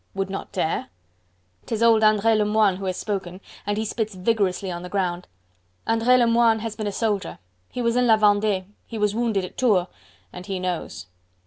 "Would not dare?..." 'Tis old Andre Lemoine who has spoken, and he spits vigorously on the ground. Andre Lemoine has been a soldier; he was in La Vendee. He was wounded at Tours... and he knows!